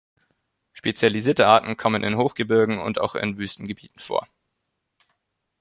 Spezialisierte Arten kommen in Hochgebirgen und auch in Wüstengebieten vor.